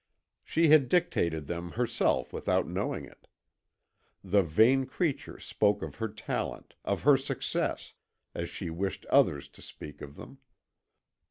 She had dictated them herself without knowing it. The vain creature spoke of her talent, of her success, as she wished others to speak of them.